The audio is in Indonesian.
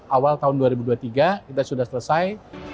awal tahun dua ribu dua puluh tiga kita sudah selesai